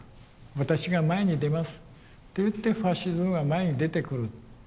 私が前に出ますと言ってファシズムが前に出てくる。